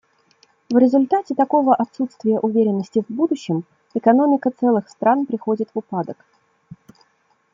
В результате такого отсутствия уверенности в будущем экономика целых стран приходит в упадок.